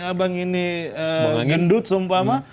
abang ini gendut sumpah sama